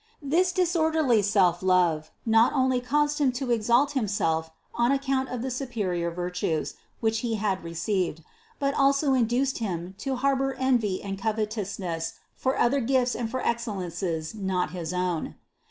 This disorderly selflove not only caused him to exalt himself on account of the superior virtues, which he had received, but also induced him to harbor envy and covetousness for other gifts and for excellences not his own.